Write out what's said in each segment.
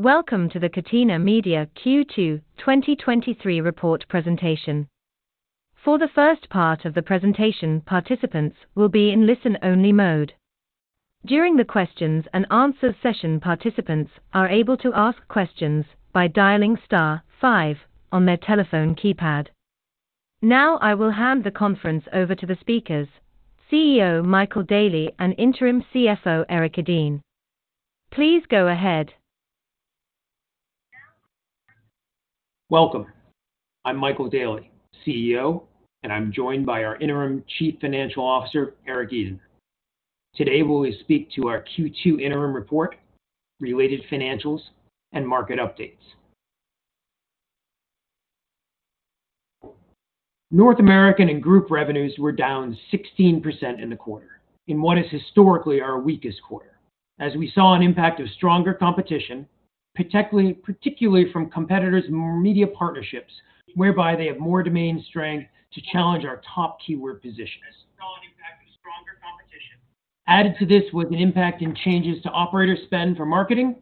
Welcome to the Catena Media Q2 2023 report presentation. For the first part of the presentation, participants will be in listen-only mode. During the questions and answer session, participants are able to ask questions by dialing star five on their telephone keypad. Now, I will hand the conference over to the speakers, CEO Michael Daly and Interim CFO, Erik Edeen. Please go ahead. Welcome. I'm Michael Daly, CEO, and I'm joined by our Interim Chief Financial Officer, Erik Edeen. Today, we'll speak to our Q2 interim report, related financials, and market updates. North American and group revenues were down 16% in the quarter, in what is historically our weakest quarter, as we saw an impact of stronger competition, particularly from competitors in media partnerships, whereby they have more domain strength to challenge our top keyword positions. Added to this was an impact in changes to operator spend for marketing,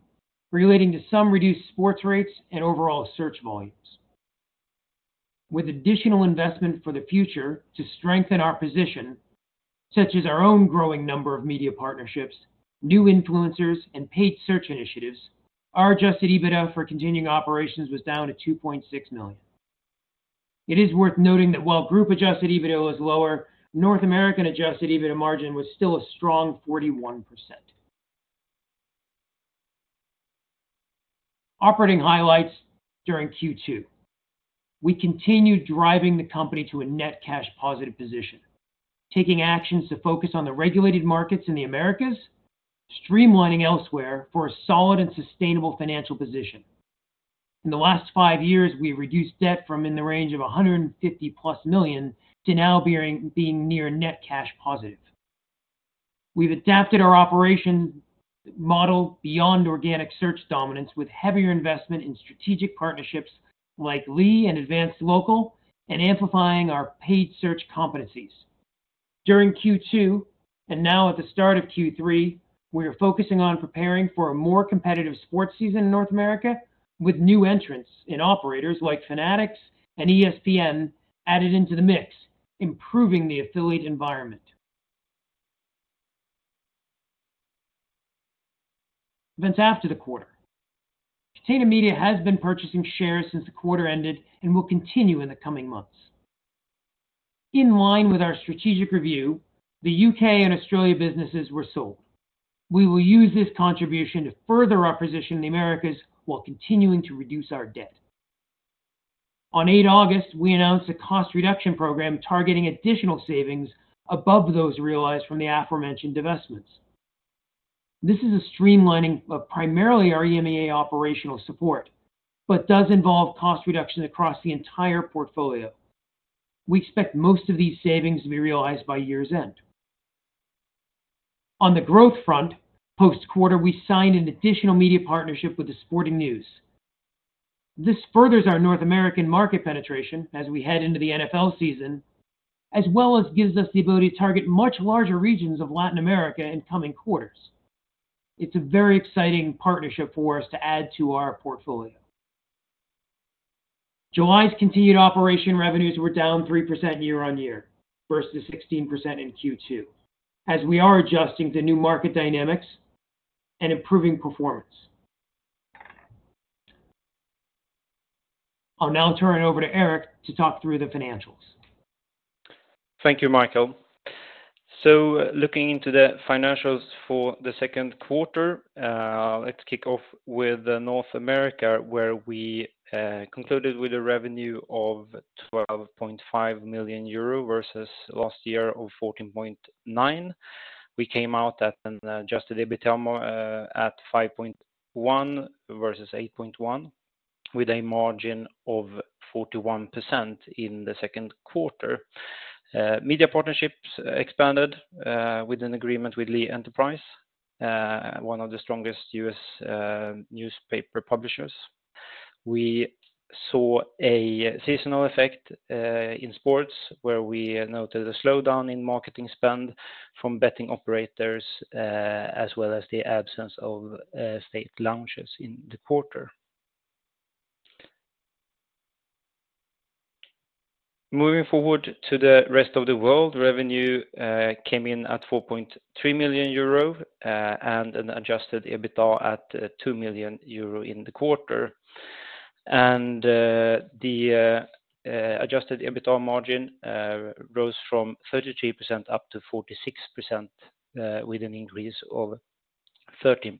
relating to some reduced sports rates and overall search volumes. With additional investment for the future to strengthen our position, such as our own growing number of media partnerships, new influencers, and paid search initiatives, our Adjusted EBITDA for continuing operations was down to 2.6 million. It is worth noting that while group Adjusted EBITDA was lower, North American Adjusted EBITDA margin was still a strong 41%. Operating highlights during Q2. We continued driving the company to a net cash positive position, taking actions to focus on the regulated markets in the Americas, streamlining elsewhere for a solid and sustainable financial position. In the last five years, we reduced debt from in the range of 150+ million to now being near net cash positive. We've adapted our operation model beyond organic search dominance, with heavier investment in strategic partnerships like Lee and Advance Local, and amplifying our paid search competencies. During Q2, and now at the start of Q3, we are focusing on preparing for a more competitive sports season in North America, with new entrants in operators like Fanatics and ESPN added into the mix, improving the affiliate environment. Events after the quarter. Catena Media has been purchasing shares since the quarter ended and will continue in the coming months. In line with our strategic review, the UK and Australia businesses were sold. We will use this contribution to further our position in the Americas while continuing to reduce our debt. On August eighth, we announced a cost reduction program targeting additional savings above those realized from the aforementioned divestments. This is a streamlining of primarily our EMEA operational support, does involve cost reduction across the entire portfolio. We expect most of these savings to be realized by year's end. On the growth front, post-quarter, we signed an additional media partnership with The Sporting News. This furthers our North American market penetration as we head into the NFL season, as well as gives us the ability to target much larger regions of Latin America in coming quarters. It's a very exciting partnership for us to add to our portfolio. July's continued operation revenues were down 3% year-on-year, versus 16% in Q2, as we are adjusting to new market dynamics and improving performance. I'll now turn it over to Erik to talk through the financials. Thank you, Michael. Looking into the financials for the second quarter, let's kick off with North America, where we concluded with a revenue of 12.5 million euro, versus last year of 14.9 million. We came out at an Adjusted EBITDA at 5.1 million versus 8.1 million, with a margin of 41% in the second quarter. Media partnerships expanded with an agreement with Lee Enterprises, one of the strongest U.S. newspaper publishers. We saw a seasonal effect in sports, where we noted a slowdown in marketing spend from betting operators, as well as the absence of state launches in the quarter. Moving forward to the rest of the world, revenue came in at 4.3 million euro, and an Adjusted EBITDA at 2 million euro in the quarter. The Adjusted EBITDA margin rose from 33% up to 46%, with an increase of 13%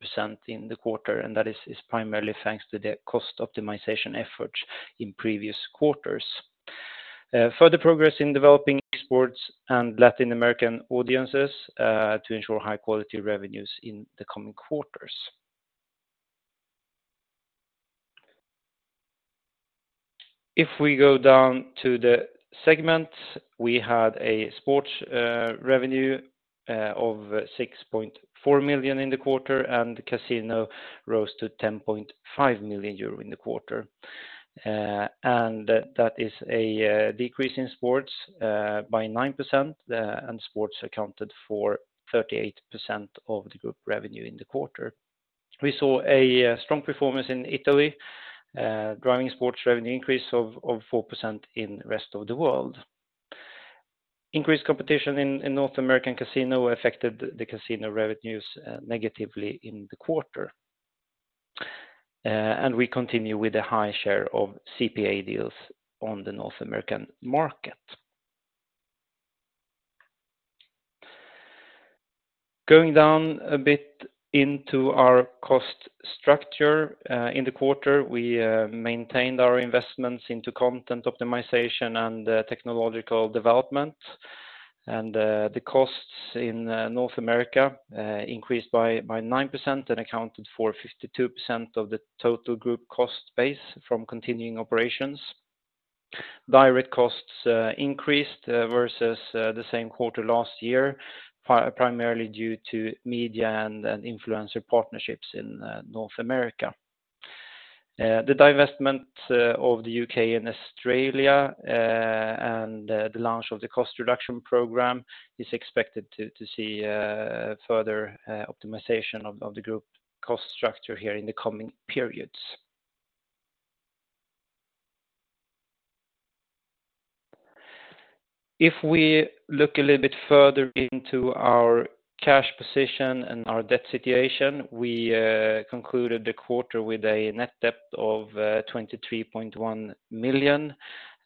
in the quarter, and that is primarily thanks to the cost optimization efforts in previous quarters. Further progress in developing sports and Latin American audiences to ensure high-quality revenues in the coming quarters. If we go down to the segments, we had a sports revenue of 6.4 million in the quarter, and casino rose to 10.5 million euro in the quarter. And that is a decrease in sports by 9%, and sports accounted for 38% of the group revenue in the quarter. We saw a strong performance in Italy, driving sports revenue increase of 4% in the rest of the world. Increased competition in North American casino affected the casino revenues negatively in the quarter. We continue with a high share of CPA deals on the North American market. Going down a bit into our cost structure in the quarter, we maintained our investments into content optimization and technological development. The costs in North America increased by 9% and accounted for 52% of the total group cost base from continuing operations. Direct costs increased versus the same quarter last year, primarily due to media and influencer partnerships in North America. The divestment of the UK and Australia and the launch of the cost reduction program is expected to see further optimization of the group cost structure here in the coming periods. If we look a little bit further into our cash position and our debt situation, we concluded the quarter with a net debt of 23.1 million.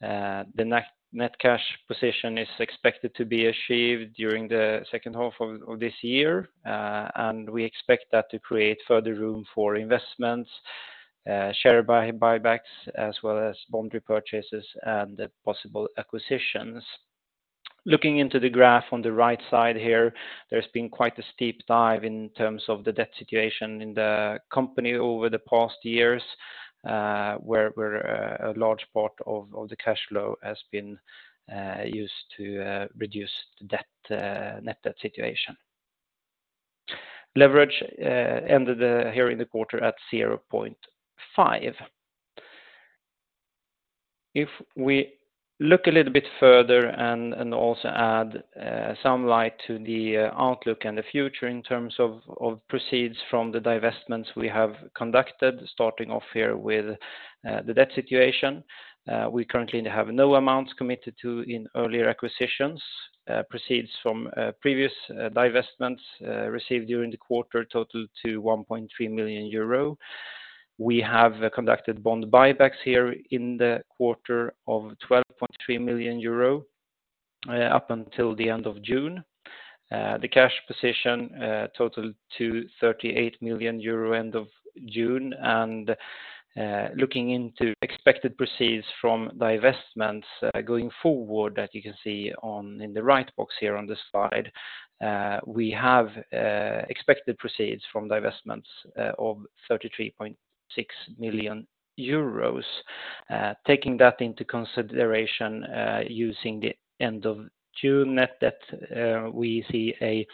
The net cash position is expected to be achieved during the second half of this year, and we expect that to create further room for investments, share buybacks, as well as bond repurchases and possible acquisitions. Looking into the graph on the right side here, there's been quite a steep dive in terms of the debt situation in the company over the past years, where a large part of the cash flow has been used to reduce the debt, net debt situation. Leverage ended here in the quarter at 0.5. If we look a little bit further and, and also add, some light to the outlook and the future in terms of, of proceeds from the divestments we have conducted, starting off here with the debt situation. We currently have no amounts committed to in earlier acquisitions. Proceeds from previous divestments received during the quarter total to 1.3 million euro. We have conducted bond buybacks here in the quarter of 12.3 million euro up until the end of June. The cash position total to 38 million euro, end of June. Looking into expected proceeds from divestments going forward, that you can see in the right box here on this slide, we have expected proceeds from divestments of 33.6 million euros. Taking that into consideration, using the end of June net debt, we see a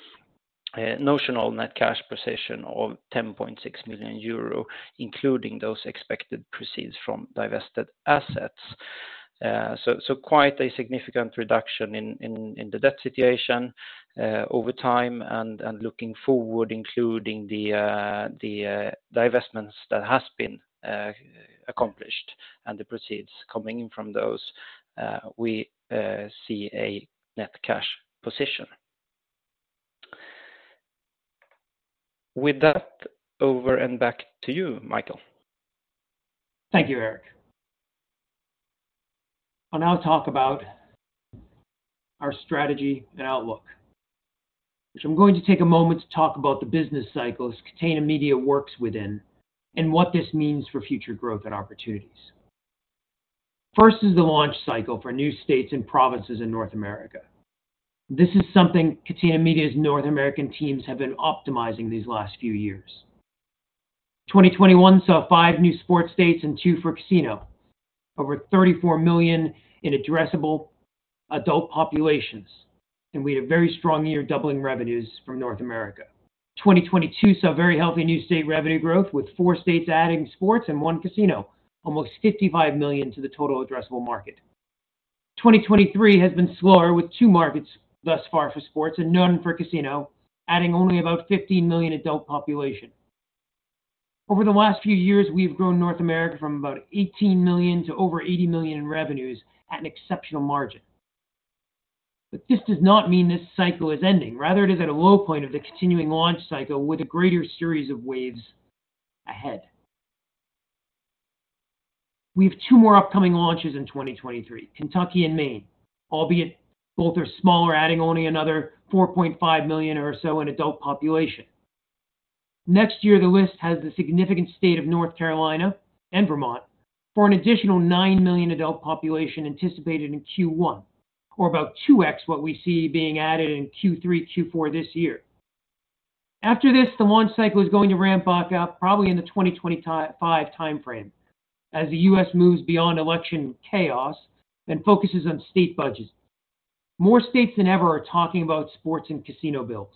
notional net cash position of 10.6 million euro, including those expected proceeds from divested assets. Quite a significant reduction in the debt situation over time and looking forward, including the divestments that has been accomplished and the proceeds coming in from those, we see a net cash position. With that over and back to you, Michael. Thank you, Erik. I'll now talk about our strategy and outlook, which I'm going to take a moment to talk about the business cycles Catena Media works within, and what this means for future growth and opportunities. First is the launch cycle for new states and provinces in North America. This is something Catena Media's North American teams have been optimizing these last few years. 2021 saw five new sports states and two for casino, over 34 million in addressable adult populations, and we had a very strong year doubling revenues from North America. 2022 saw very healthy new state revenue growth, with four states adding sports and one casino, almost 55 million to the total addressable market. 2023 has been slower, with two markets thus far for sports and none for casino, adding only about 15 million adult population. Over the last few years, we've grown North America from about $18 million to over $80 million in revenues at an exceptional margin. This does not mean this cycle is ending. Rather, it is at a low point of the continuing launch cycle with a greater series of waves ahead. We have two more upcoming launches in 2023, Kentucky and Maine, albeit both are smaller, adding only another $4.5 million or so in adult population. Next year, the list has the significant state of North Carolina and Vermont for an additional $9 million adult population anticipated in Q1, or about 2x what we see being added in Q3, Q4 this year. After this, the launch cycle is going to ramp back out probably in the 2025 timeframe, as the US moves beyond election chaos and focuses on state budgets. More states than ever are talking about sports and casino bills.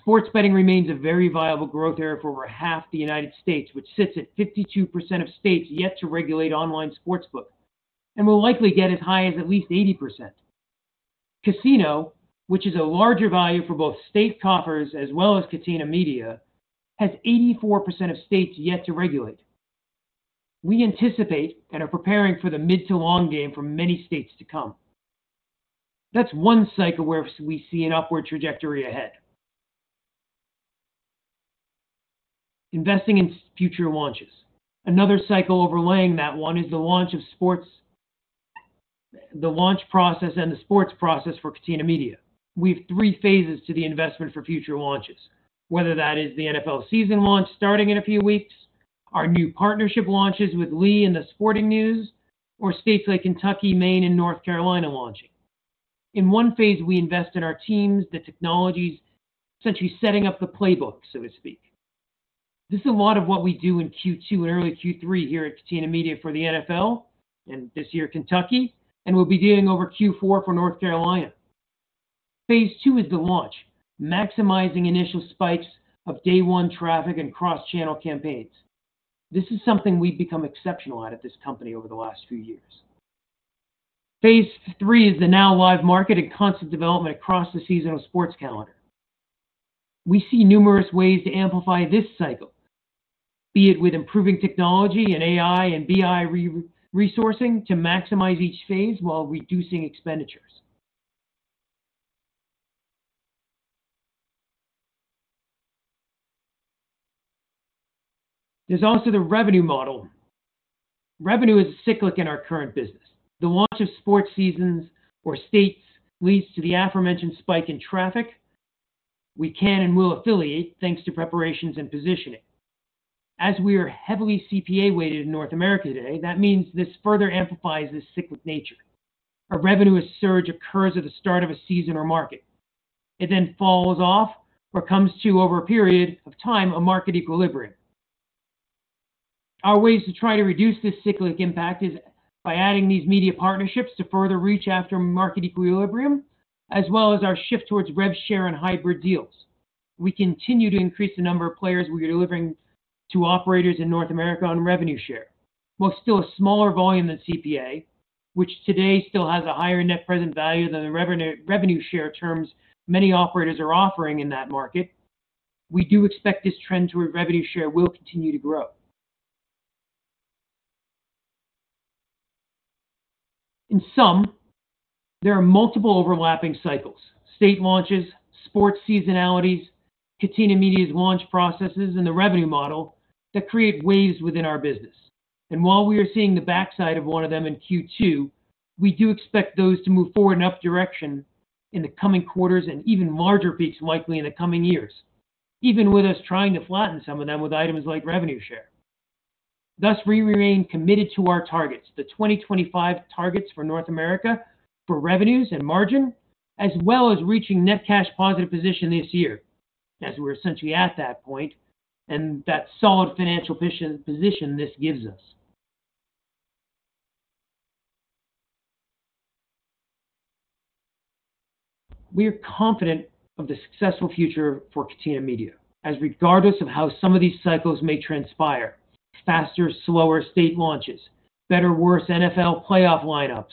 Sports betting remains a very viable growth area for over half the United States, which sits at 52% of states yet to regulate online sportsbook, and will likely get as high as at least 80%. Casino, which is a larger value for both state coffers as well as Catena Media, has 84% of states yet to regulate. We anticipate and are preparing for the mid to long game for many states to come. That's one cycle where we see an upward trajectory ahead. Investing in future launches. Another cycle overlaying that one is the launch process and the sports process for Catena Media. We've three phases to the investment for future launches, whether that is the NFL season launch starting in a few weeks, our new partnership launches with Lee and The Sporting News, or states like Kentucky, Maine, and North Carolina launching. In one phase, we invest in our teams, the technologies, essentially setting up the playbook, so to speak. This is a lot of what we do in Q2 and early Q3 here at Catena Media for the NFL, and this year, Kentucky, and we'll be doing over Q4 for North Carolina. Phase two is the launch, maximizing initial spikes of day one traffic and cross-channel campaigns. This is something we've become exceptional at at this company over the last few years. Phase three is the now live market and constant development across the seasonal sports calendar. We see numerous ways to amplify this cycle, be it with improving technology and AI and BI re-resourcing to maximize each phase while reducing expenditures. There's also the revenue model. Revenue is cyclic in our current business. The launch of sports seasons or states leads to the aforementioned spike in traffic. We can and will affiliate, thanks to preparations and positioning. As we are heavily CPA-weighted in North America today, that means this further amplifies this cyclic nature. A revenue surge occurs at the start of a season or market. It then falls off or comes to, over a period of time, a market equilibrium. Our ways to try to reduce this cyclic impact is by adding these media partnerships to further reach after market equilibrium, as well as our shift towards rev share and hybrid deals. We continue to increase the number of players we are delivering to operators in North America on revenue share. While still a smaller volume than CPA, which today still has a higher net present value than the revenue, revenue share terms many operators are offering in that market, we do expect this trend toward revenue share will continue to grow. In sum, there are multiple overlapping cycles: state launches, sports seasonalities, Catena Media's launch processes, and the revenue model that create waves within our business. While we are seeing the backside of one of them in Q2, we do expect those to move forward in up direction in the coming quarters and even larger peaks, likely in the coming years, even with us trying to flatten some of them with items like revenue share. Thus, we remain committed to our targets, the 2025 targets for North America for revenues and margin, as well as reaching net cash positive position this year, as we're essentially at that point and that solid financial position, position this gives us. We are confident of the successful future for Catena Media, as regardless of how some of these cycles may transpire, faster, slower state launches, better or worse NFL playoff lineups,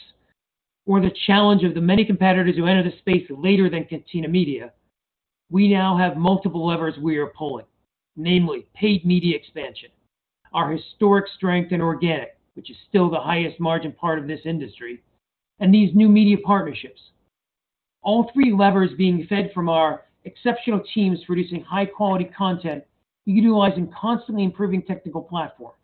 or the challenge of the many competitors who enter the space later than Catena Media, we now have multiple levers we are pulling, namely, paid media expansion, our historic strength and organic, which is still the highest margin part of this industry, and these new media partnerships, all three levers being fed from our exceptional teams producing high-quality content, utilizing constantly improving technical platforms.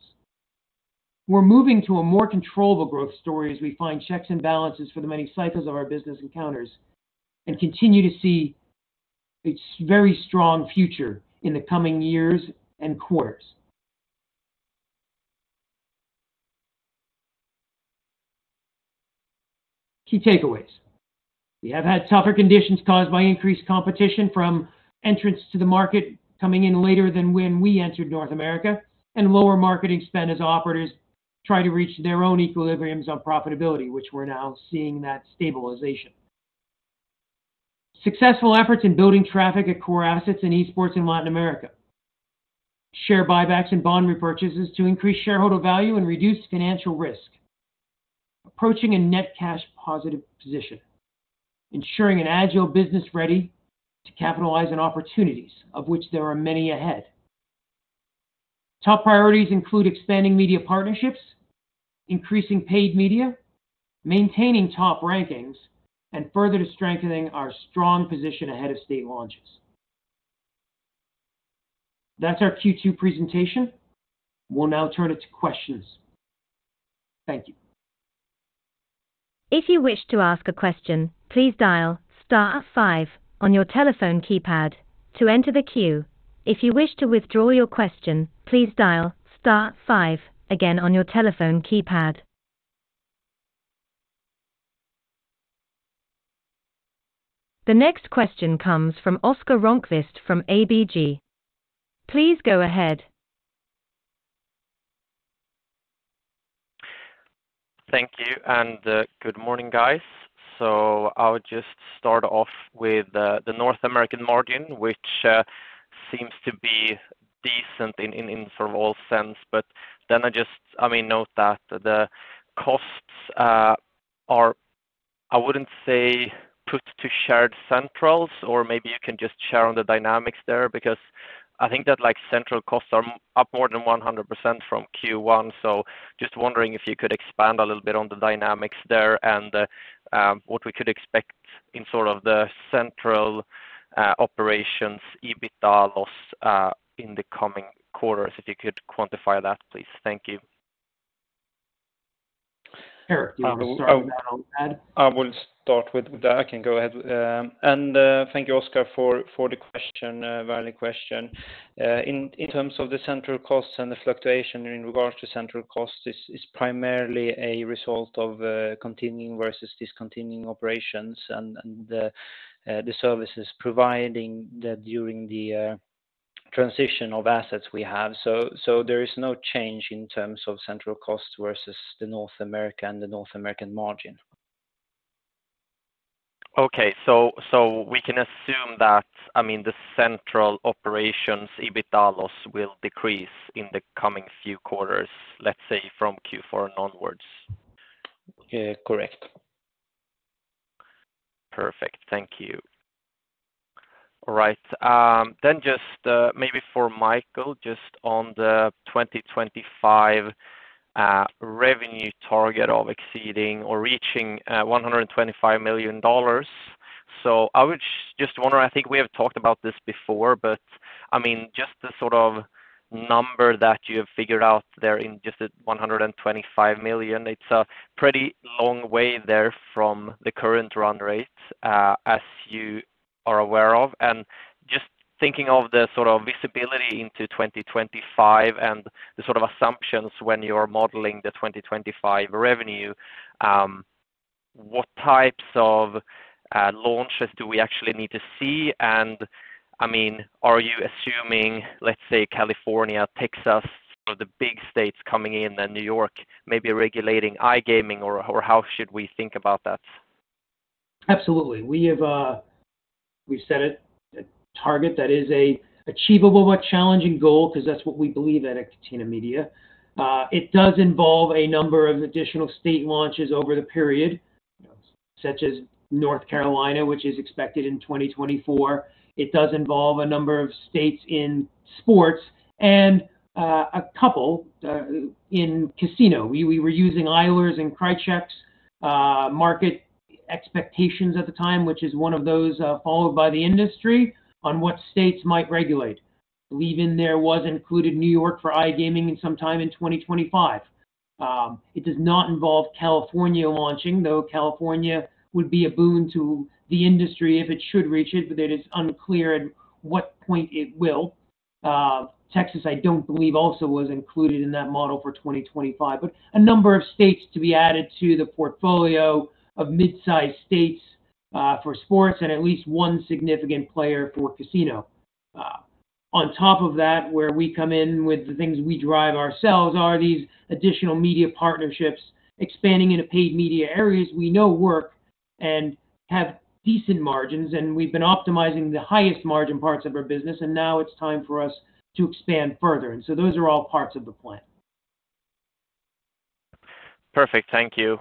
We're moving to a more controllable growth story as we find checks and balances for the many cycles of our business encounters and continue to see its very strong future in the coming years and quarters. Key takeaways. We have had tougher conditions caused by increased competition from entrants to the market coming in later than when we entered North America, and lower marketing spend as operators try to reach their own equilibriums on profitability, which we're now seeing that stabilization. Successful efforts in building traffic at core assets in esports in Latin America. Share buybacks and bond repurchases to increase shareholder value and reduce financial risk. Approaching a net cash positive position, ensuring an agile business ready to capitalize on opportunities, of which there are many ahead. Top priorities include expanding media partnerships, increasing paid media, maintaining top rankings, and further strengthening our strong position ahead of state launches. That's our Q2 presentation. We'll now turn it to questions. Thank you. If you wish to ask a question, please dial star five on your telephone keypad to enter the queue. If you wish to withdraw your question, please dial star five again on your telephone keypad. The next question comes from Oscar Rönnqvist from ABG. Please go ahead. Thank you, and good morning, guys. I would just start off with the North American margin, which seems to be decent in, in, in overall sense. I mean, note that the costs are, I wouldn't say put to shared centrals, or maybe you can just share on the dynamics there, because I think that, like, central costs are up more than 100% from Q1. Just wondering if you could expand a little bit on the dynamics there and what we could expect in sort of the central operations, EBITDA loss, in the coming quarters, if you could quantify that, please. Thank you. Sure. Do you want to start with that on, Ed? I will start with that. I can go ahead. Thank you, Oscar, for the question, valid question. In, in terms of the central costs and the fluctuation in regards to central costs, is, is primarily a result of continuing versus discontinuing operations and the services providing the, during the transition of assets we have. There is no change in terms of central costs versus the North America and the North American margin. Okay. so we can assume that, I mean, the central operations, EBITDA loss, will decrease in the coming few quarters, let's say from Q4 onwards? Correct. Perfect. Thank you. Then just, maybe for Michael, just on the 2025 revenue target of exceeding or reaching $125 million. I would just wonder, I think we have talked about this before, but I mean, just the sort of number that you have figured out there in just the $125 million, it's a pretty long way there from the current run rates, as you are aware of. Just thinking of the sort of visibility into 2025 and the sort of assumptions when you're modeling the 2025 revenue, what types of launches do we actually need to see? I mean, are you assuming, let's say, California, Texas, for the big states coming in, and New York, maybe regulating iGaming, or, or how should we think about that? Absolutely. We have, we've set a, a target that is a achievable but challenging goal because that's what we believe at Catena Media. It does involve a number of additional state launches over the period, such as North Carolina, which is expected in 2024. It does involve a number of states in sports and, a couple, in casino. We were using Eilers and Krejcik's market expectations at the time, which is one of those, followed by the industry on what states might regulate. Believe in there was included New York for iGaming sometime in 2025. It does not involve California launching, though California would be a boon to the industry if it should reach it, but it is unclear at what point it will. Texas, I don't believe, also was included in that model for 2025, but a number of states to be added to the portfolio of mid-sized states for sports, and at least one significant player for casino. On top of that, where we come in with the things we drive ourselves are these additional media partnerships, expanding into paid media areas we know work and have decent margins, and we've been optimizing the highest margin parts of our business, and now it's time for us to expand further. Those are all parts of the plan. Perfect. Thank you.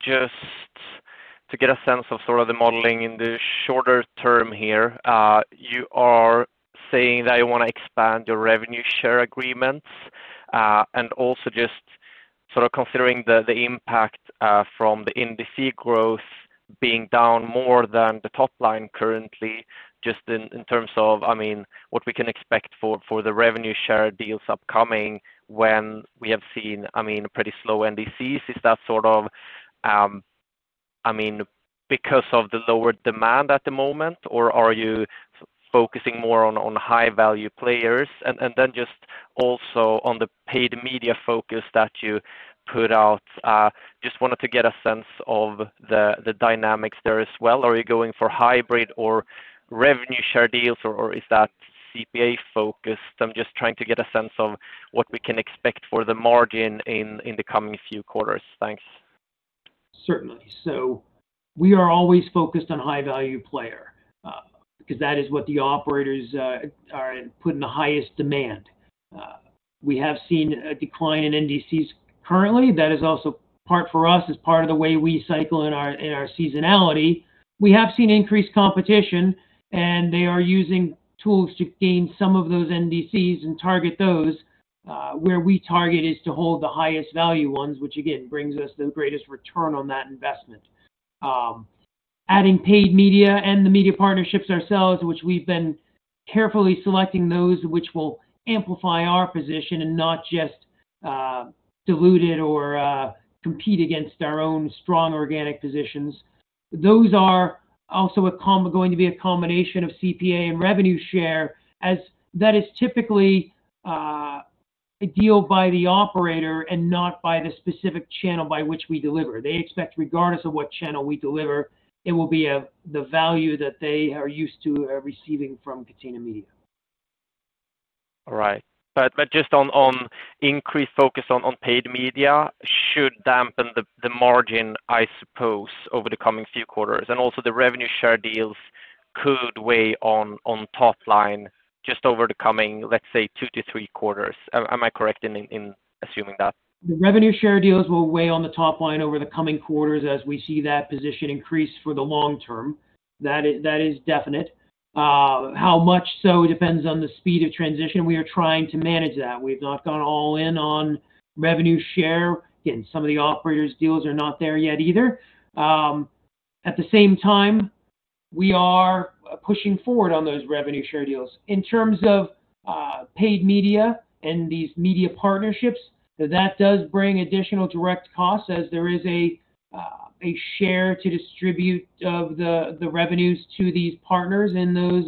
Just to get a sense of sort of the modeling in the shorter term here, you are saying that you want to expand your revenue share agreements, and also just sort of considering the, the impact, from the NDC growth being down more than the top line currently, just in, in terms of, I mean, what we can expect for, for the revenue share deals upcoming when we have seen, I mean, pretty slow NDCs. Is that sort of, I mean, because of the lower demand at the moment, or are you focusing more on, on high-value players? Just also on the paid media focus that you put out, just wanted to get a sense of the, the dynamics there as well. Are you going for hybrid or revenue share deals, or, or is that CPA focused? I'm just trying to get a sense of what we can expect for the margin in the coming few quarters. Thanks. Certainly. We are always focused on high-value player, because that is what the operators are put in the highest demand. We have seen a decline in NDCs currently. That is also part for us, as part of the way we cycle in our seasonality. We have seen increased competition, they are using tools to gain some of those NDCs and target those, where we target is to hold the highest value ones, which again, brings us the greatest return on that investment. Adding paid media and the media partnerships ourselves, which we've been carefully selecting those which will amplify our position and not just dilute it or compete against our own strong organic positions. Those are also going to be a combination of CPA and revenue share, as that is typically a deal by the operator and not by the specific channel by which we deliver. They expect, regardless of what channel we deliver, it will be the value that they are used to receiving from Catena Media. All right. Just on increased focus on paid media should dampen the margin, I suppose, over the coming few quarters, and also the revenue share deals could weigh on top line just over the coming, let's say, 2-3 quarters. Am I correct in assuming that? The revenue share deals will weigh on the top line over the coming quarters as we see that position increase for the long term. That is, that is definite. How much so depends on the speed of transition. We are trying to manage that. We've not gone all in on revenue share. Again, some of the operators deals are not there yet either. At the same time, we are pushing forward on those revenue share deals. In terms of paid media and these media partnerships, that does bring additional direct costs as there is a share to distribute of the revenues to these partners in those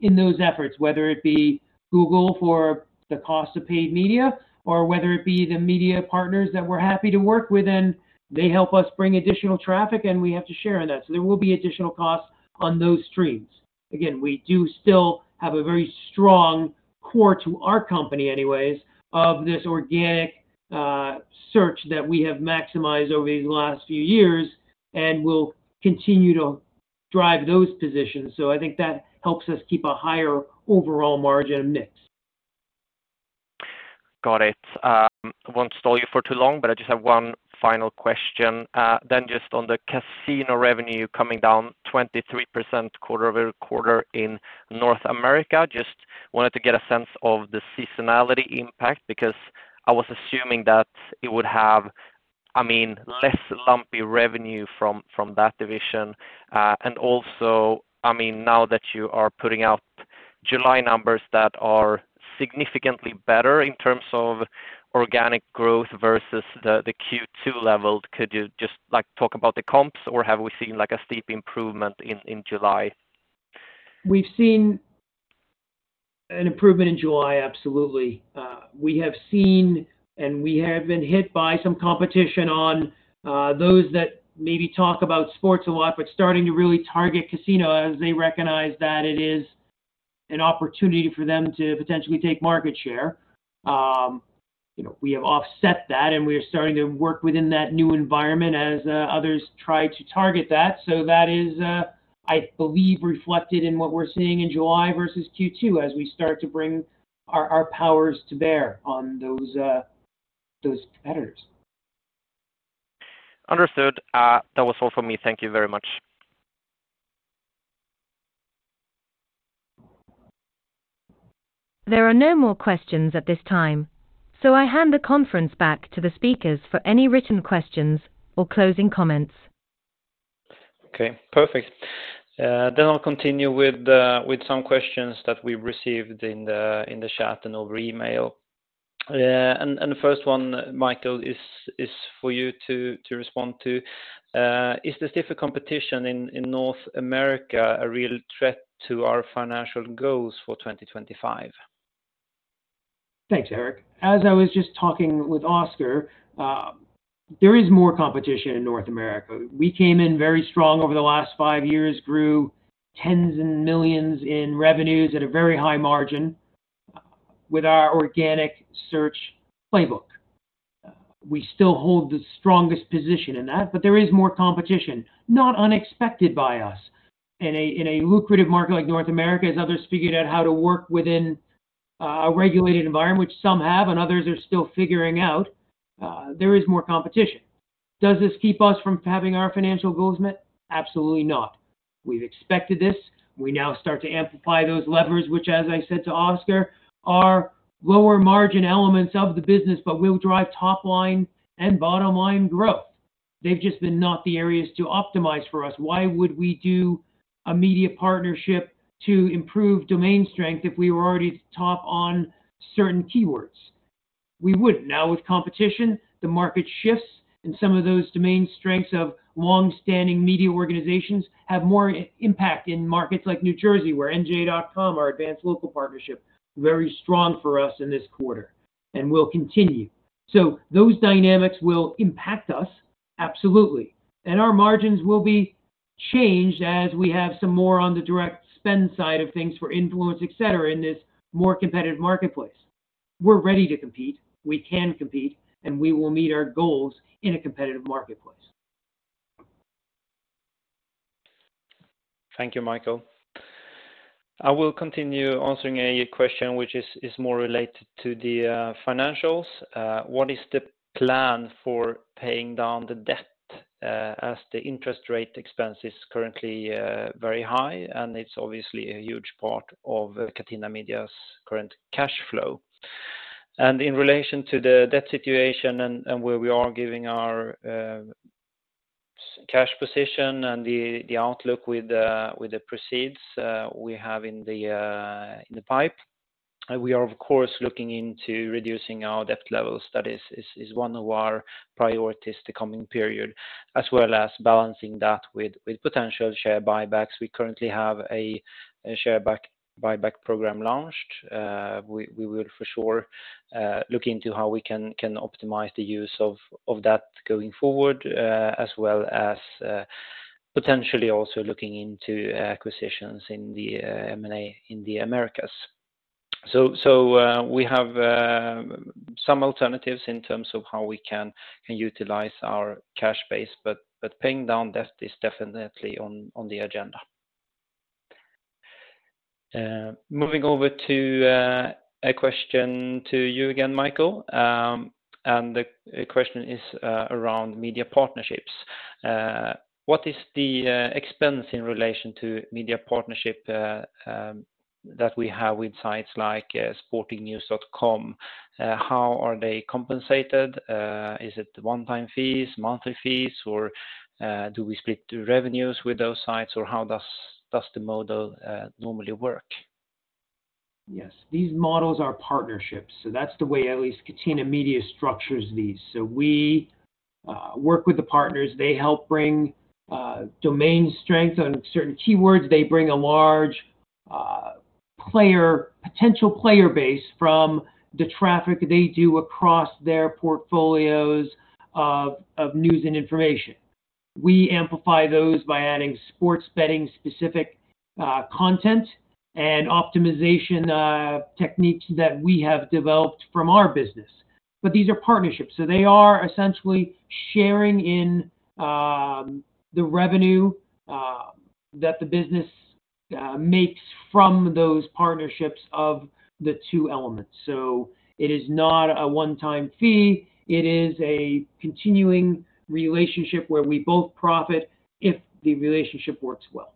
in those efforts. Whether it be Google for the cost of paid media or whether it be the media partners that we're happy to work with, and they help us bring additional traffic, and we have to share in that. There will be additional costs on those streams. Again, we do still have a very strong core to our company anyways, of this organic search that we have maximized over these last few years and will continue to drive those positions. I think that helps us keep a higher overall margin mix. Got it. I won't stall you for too long, but I just have one final question. Just on the casino revenue coming down 23% quarter-over-quarter in North America. Just wanted to get a sense of the seasonality impact, because I was assuming that it would have, I mean, less lumpy revenue from, from that division. Also, I mean, now that you are putting out July numbers that are significantly better in terms of organic growth versus the, the Q2 levels, could you just, like, talk about the comps, or have we seen, like, a steep improvement in, in July? We've seen an improvement in July, absolutely. We have seen, and we have been hit by some competition on those that maybe talk about sports a lot, but starting to really target casino as they recognize that it is an opportunity for them to potentially take market share. You know, we have offset that, and we are starting to work within that new environment as others try to target that. That is, I believe, reflected in what we're seeing in July versus Q2 as we start to bring our, our powers to bear on those, those competitors. Understood. That was all for me. Thank you very much. There are no more questions at this time. I hand the conference back to the speakers for any written questions or closing comments. Okay, perfect. Then I'll continue with the, with some questions that we received in the, in the chat and over email. The first one, Michael, is, is for you to, to respond to. Is the stiffer competition in North America a real threat to our financial goals for 2025? Thanks, Erik. As I was just talking with Oscar, there is more competition in North America. We came in very strong over the last 5 years, grew tens and millions in revenues at a very high margin with our organic search playbook. We still hold the strongest position in that, but there is more competition, not unexpected by us. In a, in a lucrative market like North America, as others figured out how to work within a regulated environment, which some have and others are still figuring out, there is more competition. Does this keep us from having our financial goals met? Absolutely not. We've expected this. We now start to amplify those levers, which, as I said to Oscar, are lower margin elements of the business, but will drive top line and bottom line growth. They've just been not the areas to optimize for us. Why would we do a media partnership to improve domain strength if we were already top on certain keywords? We wouldn't. With competition, the market shifts, and some of those domain strengths of long-standing media organizations have more impact in markets like New Jersey, where NJ.com, our Advance Local partnership, very strong for us in this quarter and will continue. Those dynamics will impact us, absolutely. Our margins will be changed as we have some more on the direct spend side of things for influence, et cetera, in this more competitive marketplace. We're ready to compete, we can compete, and we will meet our goals in a competitive marketplace. Thank you, Michael. I will continue answering a question which is, is more related to the financials. What is the plan for paying down the debt, as the interest rate expense is currently very high, and it's obviously a huge part of Catena Media's current cash flow? In relation to the debt situation and, and where we are giving our cash position and the, the outlook with the, with the proceeds, we have in the pipe, we are, of course, looking into reducing our debt levels. That is, is one of our priorities the coming period, as well as balancing that with, with potential share buybacks. We currently have a share buyback program launched. We will for sure look into how we can optimize the use of that going forward, as well as potentially also looking into acquisitions in the M&A in the Americas. We have some alternatives in terms of how we can utilize our cash base, but paying down debt is definitely on the agenda. Moving over to a question to you again, Michael, and the question is around media partnerships. What is the expense in relation to media partnership that we have with sites like sportingnews.com? How are they compensated? Is it one-time fees, monthly fees, or do we split the revenues with those sites, or how does the model normally work? Yes. These models are partnerships, so that's the way at least Catena Media structures these. We work with the partners. They help bring domain strength on certain keywords. They bring a large potential player base from the traffic they do across their portfolios of news and information. We amplify those by adding sports betting-specific content and optimization techniques that we have developed from our business. These are partnerships, so they are essentially sharing in the revenue that the business makes from those partnerships of the two elements. It is not a one-time fee. It is a continuing relationship where we both profit if the relationship works well.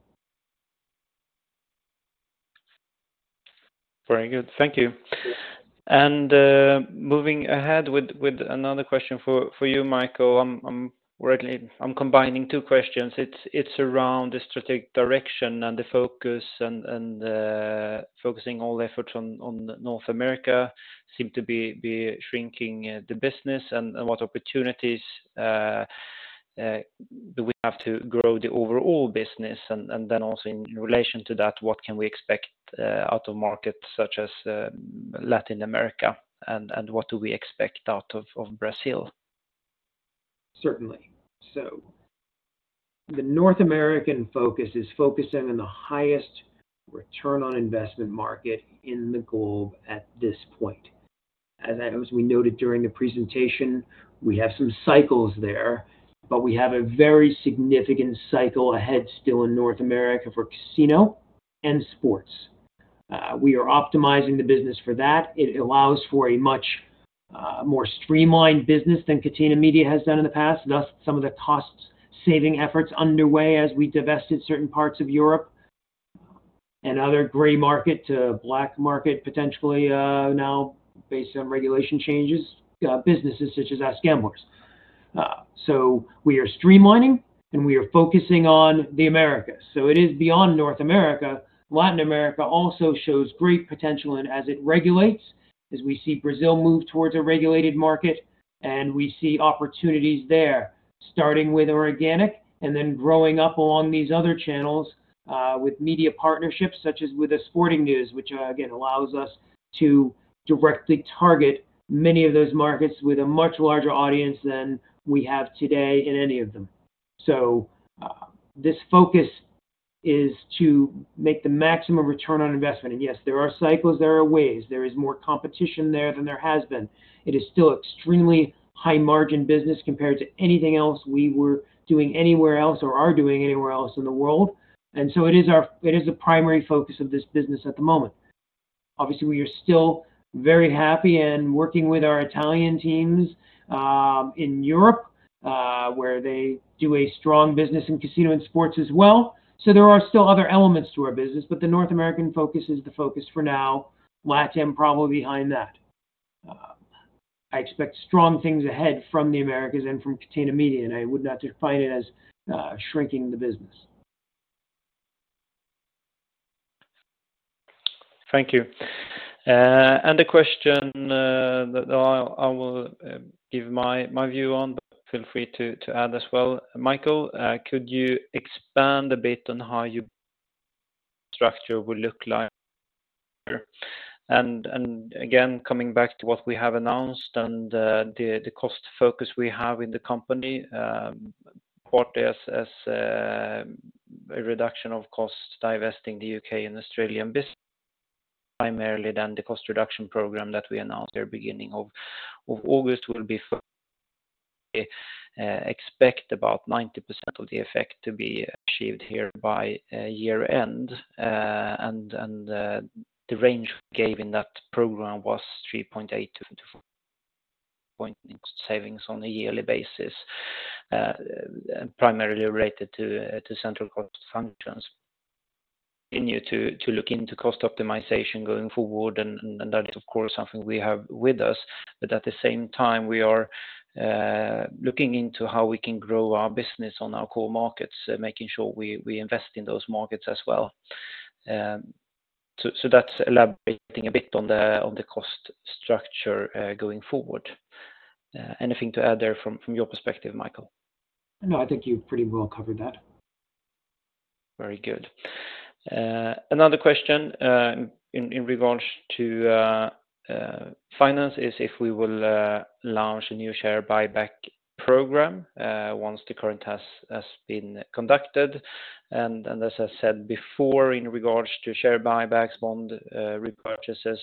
Very good. Thank you. Moving ahead with another question for you, Michael. I'm combining two questions. It's around the strategic direction and the focus and focusing all efforts on North America seem to be shrinking the business, and what opportunities do we have to grow the overall business? Then also in relation to that, what can we expect out of markets such as Latin America, and what do we expect out of Brazil? Certainly. The North American focus is focusing on the highest return on investment market in the globe at this point. As we noted during the presentation, we have some cycles there, but we have a very significant cycle ahead still in North America for casino and sports. We are optimizing the business for that. It allows for a much more streamlined business than Catena Media has done in the past, thus some of the cost-saving efforts underway as we divested certain parts of Europe and other gray market to black market, potentially now based on regulation changes, businesses such as AskGamblers. We are streamlining, and we are focusing on the Americas. It is beyond North America Latin America also shows great potential and as it regulates, as we see Brazil move towards a regulated market, and we see opportunities there, starting with organic and then growing up along these other channels, with media partnerships, such as with The Sporting News, which again, allows us to directly target many of those markets with a much larger audience than we have today in any of them. This focus is to make the maximum return on investment. Yes, there are cycles, there are ways. There is more competition there than there has been. It is still extremely high-margin business compared to anything else we were doing anywhere else or are doing anywhere else in the world. So it is a primary focus of this business at the moment. Obviously, we are still very happy and working with our Italian teams in Europe, where they do a strong business in casino and sports as well. There are still other elements to our business, but the North American focus is the focus for now, LatAm probably behind that. I expect strong things ahead from the Americas and from Catena Media, and I would not define it as shrinking the business. Thank you. The question that I, I will give my, my view on, but feel free to add as well. Michael, could you expand a bit on how your structure will look like? Again, coming back to what we have announced and the cost focus we have in the company, what is as a reduction of cost, divesting the U.K. and Australian business primarily, then the cost reduction program that we announced at the beginning of August will be for... expect about 90% of the effect to be achieved here by year-end. The range we gave in that program was 3.8 to 4.0 savings on a yearly basis, primarily related to central cost functions. Continue to, to look into cost optimization going forward, and, and that is, of course, something we have with us. At the same time, we are looking into how we can grow our business on our core markets, making sure we invest in those markets as well. So that's elaborating a bit on the cost structure, going forward. Anything to add there from your perspective, Michael? No, I think you pretty well covered that.... Very good. another question in in regards to finance is if we will launch a new share buyback program once the current has has been conducted. as I said before, in regards to share buybacks, bond repurchases,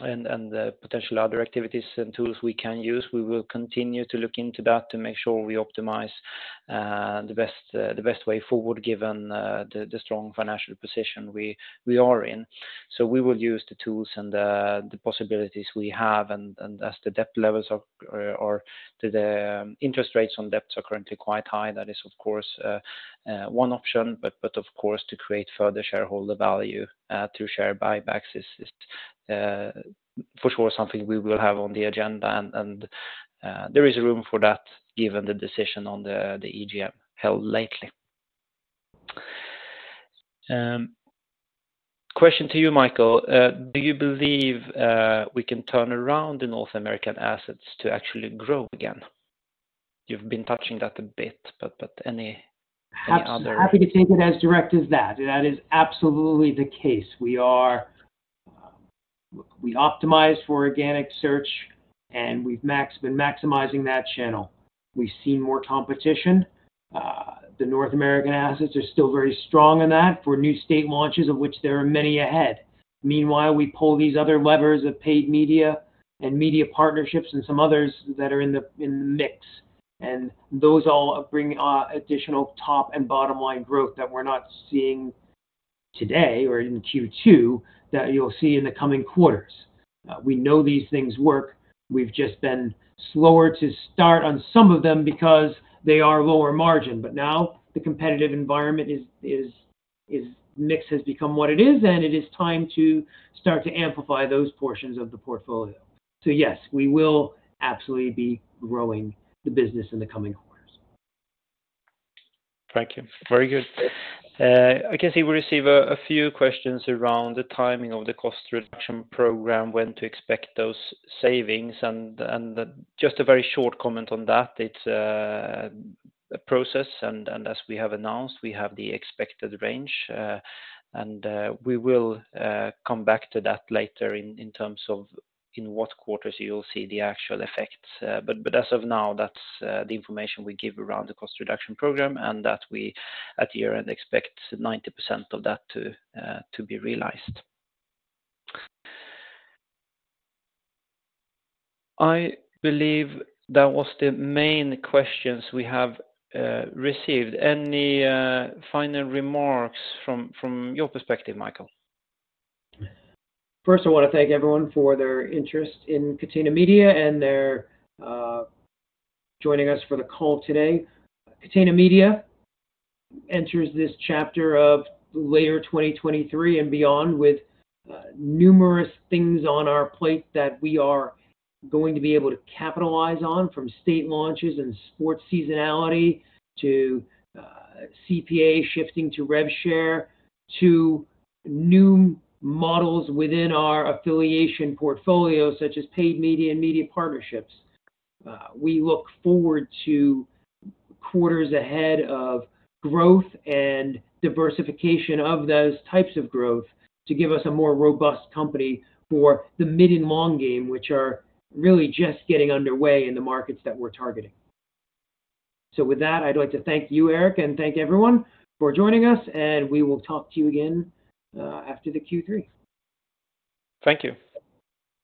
and and potential other activities and tools we can use, we will continue to look into that to make sure we optimize the best the best way forward, given the strong financial position we are in. we will use the tools and the possibilities we have. As the debt levels are, or the interest rates on debts are currently quite high, that is, of course, one option, but of course, to create further shareholder value through share buybacks is, is for sure something we will have on the agenda, and there is room for that given the decision on the EGM held lately. Question to you, Michael, do you believe we can turn around the North American assets to actually grow again? You've been touching that a bit, but any other- Happy to take it as direct as that. That is absolutely the case. We are. We optimize for organic search, and we've been maximizing that channel. We've seen more competition. The North American assets are still very strong in that for new state launches, of which there are many ahead. Meanwhile, we pull these other levers of paid media and media partnerships and some others that are in the, in the mix, and those all bring additional top and bottom line growth that we're not seeing today or in Q2, that you'll see in the coming quarters. We know these things work. We've just been slower to start on some of them because they are lower margin. But now the competitive environment is, mix has become what it is, and it is time to start to amplify those portions of the portfolio. Yes, we will absolutely be growing the business in the coming quarters. Thank you. Very good. I can see we receive a few questions around the timing of the cost reduction program, when to expect those savings, and just a very short comment on that. It's a process, and as we have announced, we have the expected range, and we will come back to that later in terms of in what quarters you'll see the actual effects. But as of now, that's the information we give around the cost reduction program, and that we, at year-end, expect 90% of that to be realized. I believe that was the main questions we have received. Any final remarks from your perspective, Michael? First, I want to thank everyone for their interest in Catena Media and their joining us for the call today. Catena Media enters this chapter of later 2023 and beyond with numerous things on our plate that we are going to be able to capitalize on, from state launches and sports seasonality to CPA shifting to rev share, to new models within our affiliation portfolio, such as paid media and media partnerships. We look forward to quarters ahead of growth and diversification of those types of growth to give us a more robust company for the mid and long game, which are really just getting underway in the markets that we're targeting. With that, I'd like to thank you, Erik, and thank everyone for joining us, and we will talk to you again after the Q3. Thank you.